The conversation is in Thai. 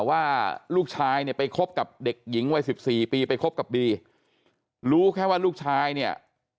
ว่าลูกชายเนี่ยไปคบกับเด็กหญิงวัยสิบสี่ปีไปคบกับบีรู้แค่ว่าลูกชายเนี่ย